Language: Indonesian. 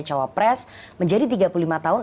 cawa pres menjadi tiga puluh lima tahun